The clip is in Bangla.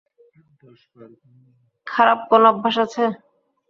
থারাপ কোন অভ্যাস আছে?